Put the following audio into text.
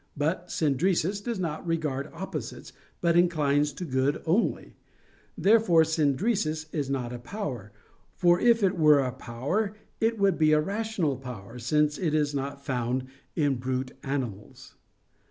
But "synderesis" does not regard opposites, but inclines to good only. Therefore "synderesis" is not a power. For if it were a power it would be a rational power, since it is not found in brute animals.